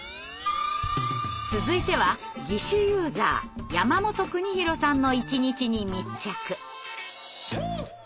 続いては義手ユーザーやまもとくにひろさんの一日に密着。